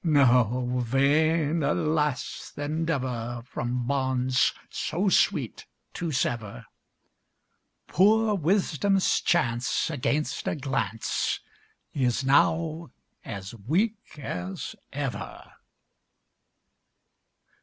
No, vain, alas! the endeavor From bonds so sweet to sever; Poor Wisdom's chance Against a glance Is now as weak as ever.